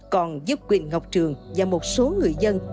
còn giúp quyền ngọc trường và một số người dân